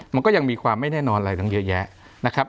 มันก็ยังมีความไม่แน่นอนอะไรตั้งเยอะแยะนะครับ